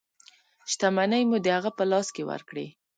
شتمنۍ مو د هغه په لاس کې ورکړې.